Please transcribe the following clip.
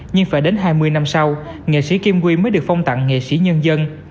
nhưng phải đến hai mươi năm sau nghệ sĩ kim quy mới được phong tặng nghệ sĩ nhân dân